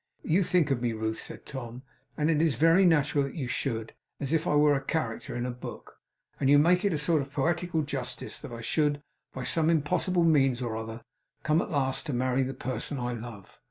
'You think of me, Ruth,' said Tom, 'and it is very natural that you should, as if I were a character in a book; and you make it a sort of poetical justice that I should, by some impossible means or other, come, at last, to marry the person I love.